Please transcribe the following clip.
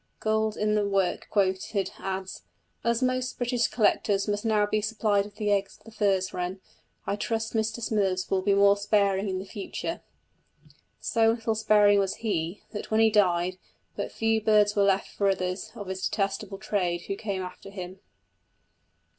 Gould in the work quoted, adds: "As most British collectors must now be supplied with the eggs of the furze wren, I trust Mr Smithers will be more sparing in the future." So little sparing was he, that when he died, but few birds were left for others of his detestable trade who came after him.